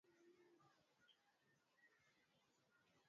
Alisema lori lililokuwa limebeba vifaa vya msaada lilikuwa njiani kwenda